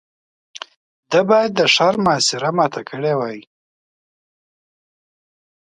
ده بايد د ښار محاصره ماته کړې وای.